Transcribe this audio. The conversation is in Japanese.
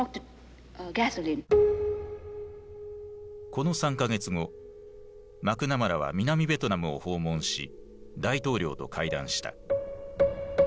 この３か月後マクナマラは南ベトナムを訪問し大統領と会談した。